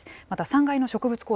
また３階の植物